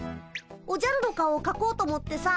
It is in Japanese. おじゃるの顔をかこうと思ってさ。